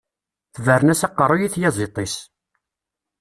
Tebren-as aqeṛṛuy i tyaẓiḍt-is.